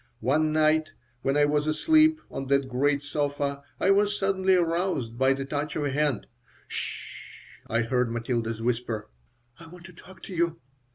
One night, when I was asleep on that great sofa, I was suddenly aroused by the touch of a hand "'S sh," I heard Matilda's whisper. "I want to talk to you.